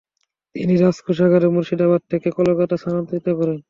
তিনি রাজকোষাগার মুর্শিদাবাদ থেকে কলকাতায় স্থানান্তরিত করেন।